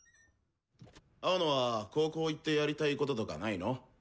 青野は高校行ってやりたいこととかないの？